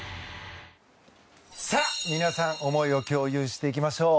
皆さん思いを共有していきましょう。